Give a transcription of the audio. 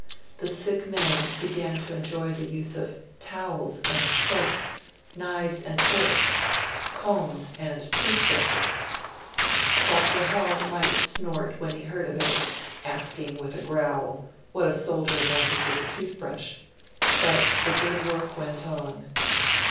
The sick men began to enjoy the use of towels and soap, knives and forks, combs and tooth brushes. Dr. Hall might snort when he heard of it, asking, with a growl, what a soldier wanted with a tooth brush; but the good work went on.